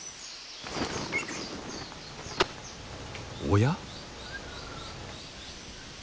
おや？